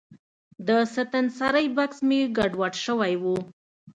د ستنسرۍ بکس مې ګډوډ شوی و.